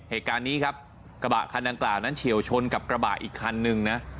เหตุการณ์นี้ครับกระบะคันดังกล่าวนั้นเฉียวชนกับกระบะอีกคันนึงนะ